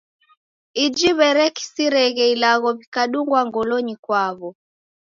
Iji w'eresikireghe ilagho, w'ikadungwa ngolonyi kwaw'o.